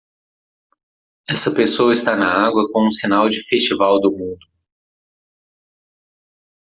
Essa pessoa está na água com um sinal de festival do mundo.